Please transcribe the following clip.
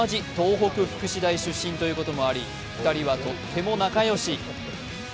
同じ東北福祉大出身ということもあり、２人はとっても仲良し。